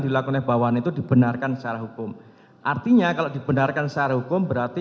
didatangkan oleh atasan atasan yang indikasif dari awal elektrik dengan supra kontroversi